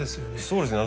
そうですね。